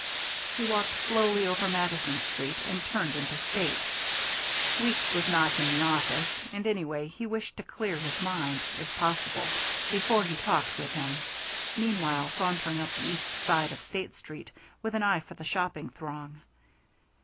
He walked slowly over Madison Street and turned into State. Weeks was not in the office, and anyway he wished to clear his mind, if possible, before he talked with him; meanwhile sauntering up the east side of State Street with an eye for the shopping throng.